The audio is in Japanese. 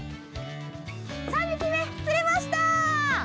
３匹目、釣れました。